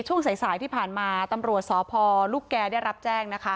ช่วงสายสายที่ผ่านมาตำรวจสพลุสแกได้รับแจ้ง